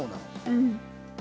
うん。